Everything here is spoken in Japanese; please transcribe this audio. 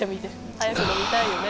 早く飲みたいよね。